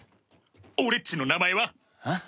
俺っちの名前は？えっ？